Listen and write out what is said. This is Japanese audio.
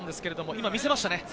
今、見せましたね。